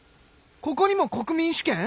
ここにも国民主権？